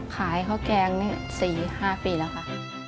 ขายข้าวแกงนี่๔๕ปีแล้วค่ะ